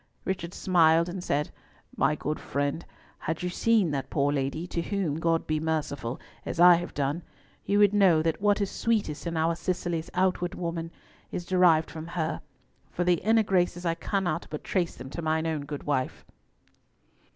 Richard smiled and said—"My good friend, had you seen that poor lady—to whom God be merciful—as I have done, you would know that what is sweetest in our Cicely's outward woman is derived from her; for the inner graces, I cannot but trace them to mine own good wife."